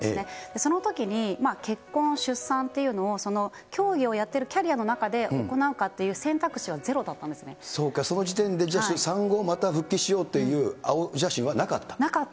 そのときに結婚、出産というのを競技をやっているキャリアの中で行うかっていう選そうか、その時点でじゃあ、産後また復帰しようという青写真はなかった？